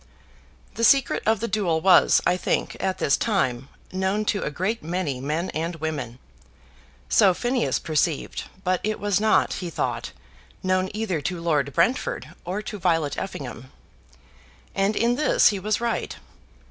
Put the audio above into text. The secret of the duel was, I think, at this time, known to a great many men and women. So Phineas perceived; but it was not, he thought, known either to Lord Brentford or to Violet Effingham. And in this he was right.